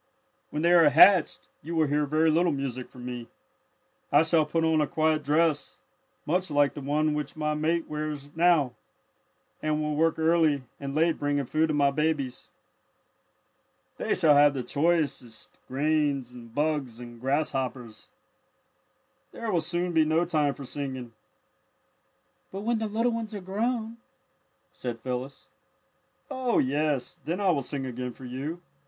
"When they are hatched, you will hear very little music from me. I shall put on a quiet dress, much like the one which my mate now wears, and will work early and late bringing food to my babies. "They shall have the very choicest grains and bugs and grasshoppers. There will soon be no time for singing." "But when the little ones are grown " said Phyllis. "Oh, yes, then I will sing again for you.